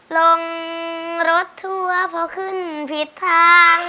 ลงรถทัวร์พอขึ้นผิดทาง